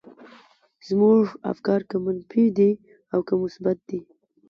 زموږ افکار که منفي دي او که مثبت دي.